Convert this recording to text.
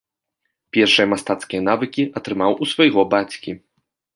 Першыя мастацкія навыкі атрымаў у свайго бацькі.